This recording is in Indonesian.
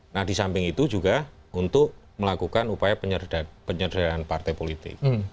nah disamping itu juga untuk melakukan upaya penyerdekan partai politik